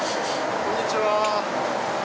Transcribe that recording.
こんにちは！